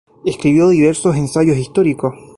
Escribió diversos ensayos históricos.